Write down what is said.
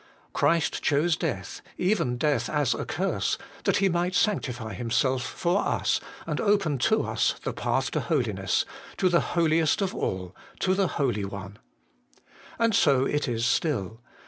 Christ chose death, even death as a curse, that He might sanctify Him self for us, and open to us the path to Holiness, to the Holiest of all, to the Holy One. And so it is still.